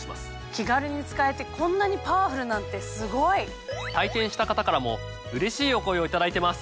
気軽に使えてこんなにパワフルなんてすごい！体験した方からもうれしいお声を頂いてます。